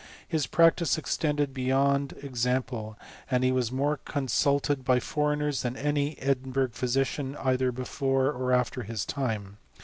His practice extended beyond example, and he was more consulted by foreigners than any Edinburgh physician either before or after his time.